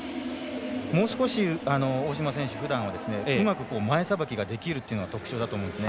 もう少し、大島選手ふだんですとうまく、前さばきができるのが特徴だと思うんですね。